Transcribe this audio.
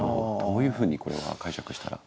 どういうふうにこれは解釈したら？